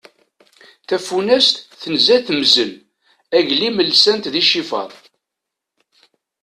Tafunast tenza temzel, aglim lsan-t d icifaḍ.